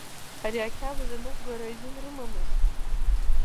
Ари ақьабз аныҟәгара азин рымамызт.